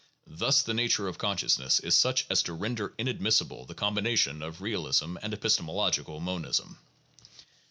Thus the nature of consciousness is such as to render inadmissible the combination of realism and epis temological monism.